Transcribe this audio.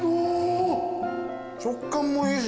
食感もいいし。